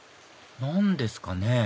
何ですかね？